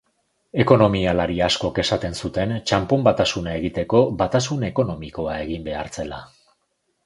Ekonomialari askok esan zuten txanpon batasuna egiteko batasun ekonomikoa egin behar zela.